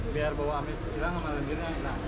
biar bau amis hilang sama lendirnya enak